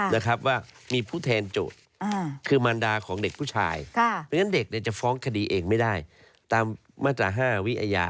อเจมส์อาจารย์คนอายุเท่าไหร่ถึงฟ้องคดีเองได้ไหม